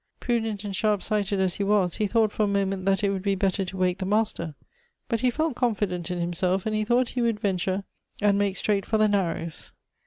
Prudent and sharp sighted as he was, he thought for a moment that it would be better to wake the master ; but he felt confident in himself, and he thought he would venture and make straight for the narrows.